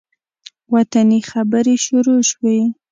وطني خبرې شروع شوې.